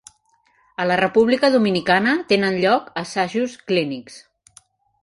A la República Dominicana tenen lloc assajos clínics.